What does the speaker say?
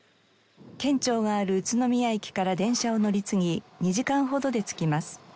県庁がある宇都宮駅から電車を乗り継ぎ２時間ほどで着きます。